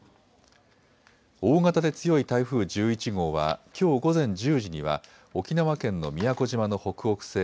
大型で強い台風１１号はきょう午前１０時には沖縄県の宮古島の北北西